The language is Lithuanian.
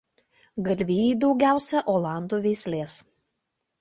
Galvijai daugiausia olandų veislės.